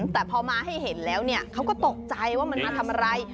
แต่พอมาให้เห็นแล้วเนี่ยเขาก็ตกใจว่ามันมาทำอะไร